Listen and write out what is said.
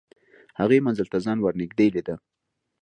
هغې منزل ته ځان ور نږدې لیده